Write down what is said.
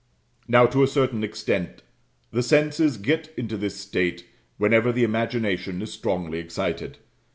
Now, to a certain extent, the senses get into this state whenever the imagination is strongly excited.